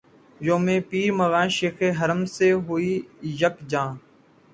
یوں پیر مغاں شیخ حرم سے ہوئے یک جاں